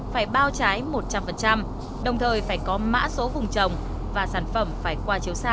phải bao trái một trăm linh đồng thời phải có mã số vùng trồng và sản phẩm phải qua chiếu xa